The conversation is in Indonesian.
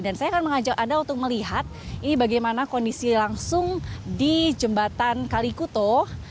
dan saya akan mengajak anda untuk melihat ini bagaimana kondisi langsung di jembatan kalikuto